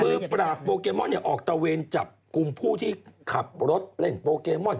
มือปราบโปเกมอนออกตะเวนจับกลุ่มผู้ที่ขับรถเล่นโปเกมอน